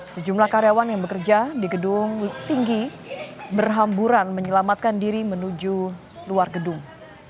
sejumlah karyawan yang bekerja di gedung tinggi berhamburan menyelamatkan diri menuju luar gedung